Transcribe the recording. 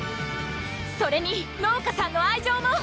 それに農家さんの愛情も！